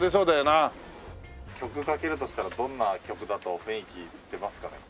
曲かけるとしたらどんな曲だと雰囲気出ますかね？